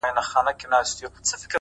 تـا كــړلــه خـــپـــره اشــــنـــــا ـ